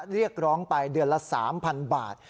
เรียกร้องไปเดือนละ๓๐๐๐บาท